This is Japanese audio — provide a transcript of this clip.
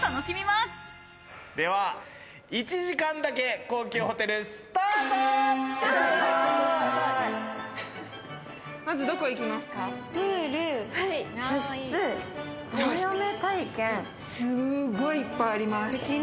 すごくいっぱいあります。